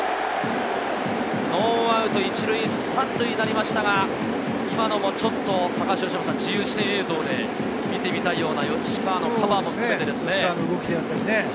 ノーアウト１塁３塁になりましたが、今のもちょっと自由視点映像で見てみたいような吉川のカバーも含めて。